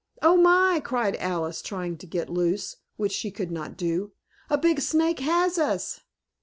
"Oh, my!" cried Alice, trying to get loose, which she could not do. "A big snake has us!"